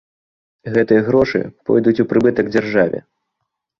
Гэтыя грошы пойдуць у прыбытак дзяржаве.